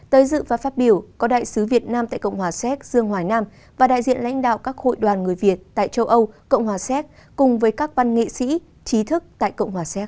tới dự và phát biểu có đại sứ việt nam tại cộng hòa séc dương hoài nam và đại diện lãnh đạo các hội đoàn người việt tại châu âu cộng hòa séc cùng với các văn nghệ sĩ trí thức tại cộng hòa xéc